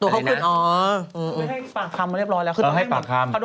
ไม่ให้ปากคำมาเรียบร้อยแล้วเขาให้ปากคำ